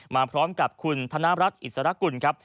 มาพร้อมกับคุณธนรัฐอิสรกุลครับ